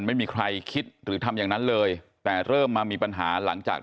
ไม่มีใครคิดหรือทำอย่างนั้นเลยแต่เริ่มมามีปัญหาหลังจาก